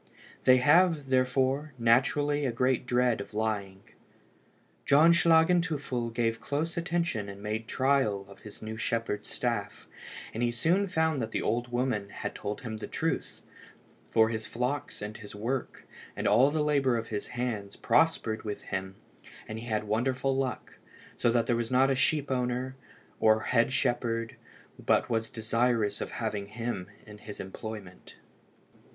They have, therefore, naturally a great dread of lying. John Schlagenteufel gave close attention and made trial of his new shepherd's staff, and he soon found that the old woman had told him the truth, for his flocks and his work, and all the labour of his hands, prospered with him, and he had wonderful luck, so that there was not a sheep owner or head shepherd but was desirous of having him in his employment.